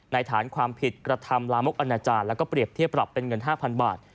ฐานความผิดกระทำลามกอนาจารย์แล้วก็เปรียบเทียบปรับเป็นเงิน๕๐๐บาท